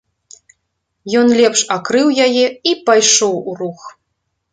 Ён лепш акрыў яе і пайшоў у рух.